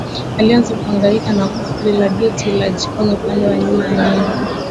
Alianza kuhangaika na kufuli la geti la jikoni upande wa nyuma wa nyumba